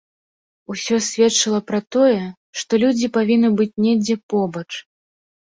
Усё сведчыла пра тое, што людзі павінны быць недзе побач.